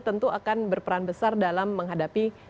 tentu akan berperan besar dalam menghadapi